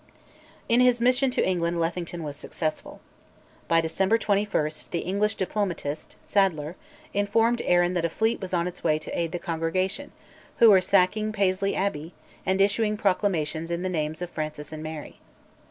In his mission to England Lethington was successful. By December 21 the English diplomatist, Sadleyr, informed Arran that a fleet was on its way to aid the Congregation, who were sacking Paisley Abbey, and issuing proclamations in the names of Francis and Mary.